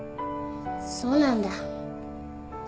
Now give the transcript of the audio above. そうなんだ。